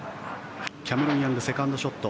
キャメロン・ヤングセカンドショット。